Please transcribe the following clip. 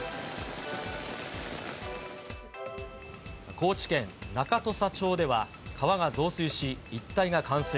高知県中土佐町では、川が増水し、一帯が冠水。